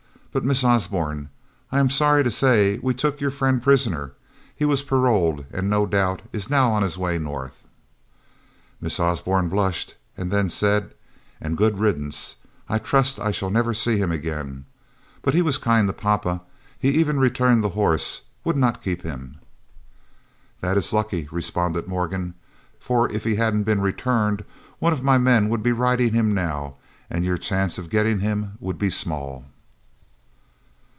"But Miss Osborne, I am sorry to say we took your friend prisoner. He was paroled, and no doubt is now on his way North." Miss Osborne blushed, and then said, "A good riddance; I trust I shall never see him again. But he was kind to papa. He even returned the horse; would not keep him." "That is lucky," responded Morgan, "for if he hadn't been returned, one of my men would be riding him now, and your chance of getting him would be small."